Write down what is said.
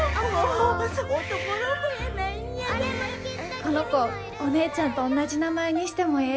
この子お姉ちゃんとおんなじ名前にしてもええ？